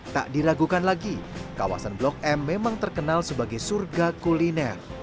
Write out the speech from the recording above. tak diragukan lagi kawasan blok m memang terkenal sebagai surga kuliner